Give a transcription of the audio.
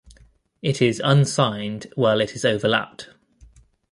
It is unsigned while it is overlapped.